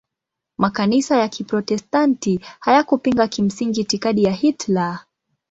Makanisa ya Kiprotestanti hayakupinga kimsingi itikadi ya Hitler.